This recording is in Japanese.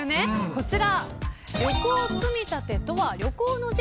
こちら。